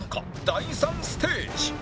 第３ステージ